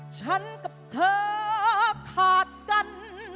ฉันกับเธอขาดดัน